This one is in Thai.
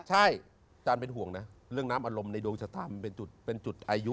ใช่อาจารย์เป็นห่วงนะเรื่องน้ำอารมณ์ในโดยกษะตามเป็นจุดอายุ